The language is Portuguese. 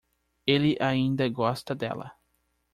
Ele ainda gosta dela.